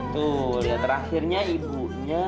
tuh lihat terakhirnya ibunya